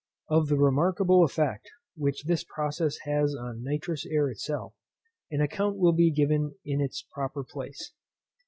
Of the remarkable effect which this process has on nitrous air itself, an account will be given in its proper place.